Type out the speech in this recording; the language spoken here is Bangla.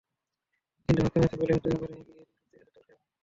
কিন্তু হকি ম্যাচ বলেই দুই গোলে এগিয়ে গিয়েও স্বস্তিতে থাকতে পারেনি আবাহনী।